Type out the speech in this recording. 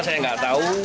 saya tidak tahu